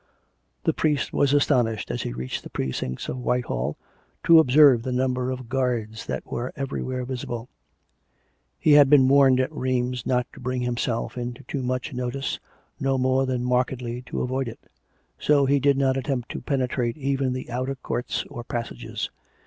The priest was astonished, as he reached the precincts of Whitehall, to observe the number of guards that were everywhere visible. He had been warned at Rheims not to bring himself into too much notice, no more than mark edly to avoid it; so he did not attempt to penetrate even the outer courts or passages.